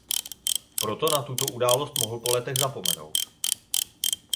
Proto na tuto událost mohl po letech zapomenout.